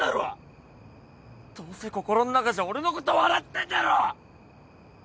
どうせ心ん中じゃ俺のこと笑ってんだろ！